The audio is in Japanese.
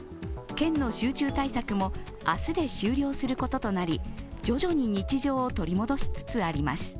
県の集中対策も明日で終了することとなり徐々に日常を取り戻しつつあります。